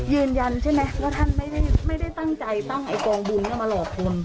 ยืนยันใช่ไหมว่าท่านไม่ได้ตั้งใจตั้งไอ้กองบุญมาหลอกคุณ